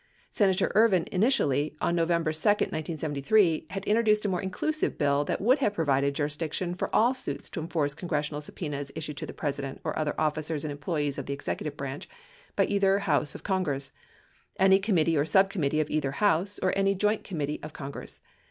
Senator Ervin initially, on November 2, 1973, had introduced a more inclusive bill that would have provided jurisdiction for all suits to enforce congressional subpenas issued to the President or other officers and employees of the executive branch by either House of Con gress, any committee or subcommittee of either House, or any joint committee of Congress.